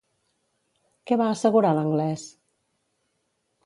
Què va assegurar l'anglès?